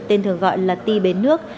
tên thường gọi là ti bến nước